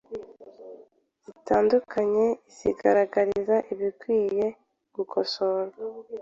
zitandukanye izigaragariza ibikwiye gukosorwa.